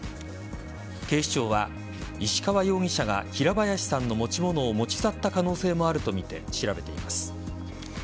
警視庁は、石川容疑者が平林さんの持ち物を持ち去った可能性もあるとみて調べています。